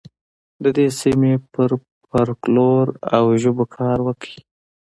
د دې سیمې پر فولکلور او ژبو کار وکړئ.